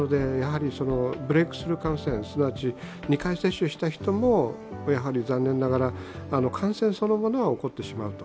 ブレークスルー感染、すなわち２回接種した人もやはり残念ながら、感染そのものは起こってしまうと。